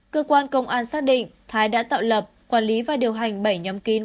cơ quan công an xác định thái đã tạo lập quản lý và điều hành bảy nhóm kín